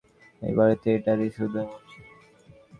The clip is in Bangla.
এই বাড়িতে এটারই শুধু অভাব ছিল।